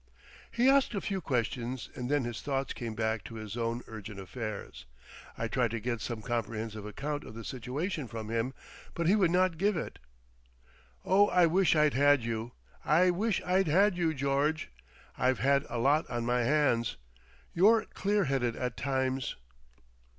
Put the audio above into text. He asked a few questions and then his thoughts came back to his own urgent affairs. I tried to get some comprehensive account of the situation from him, but he would not give it. "Oh, I wish I'd had you. I wish I'd had you, George. I've had a lot on my hands. You're clear headed at times."